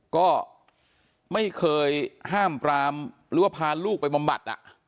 ก็ไม่เคยห้ามปรามหรือว่าพาลูกไปบำบัด